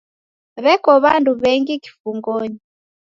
W'eko w'andu w'engi kifungonyi.